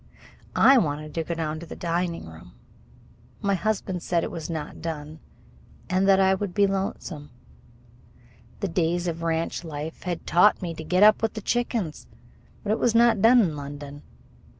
I wanted to go down to the dining room. My husband said it was not done and I would be lonesome. The days of ranch life had taught me to get up with the chickens. But it was not done in London.